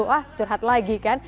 wah curhat lagi kan